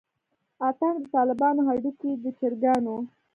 اتڼ دطالبانو هډوکے دچرګانو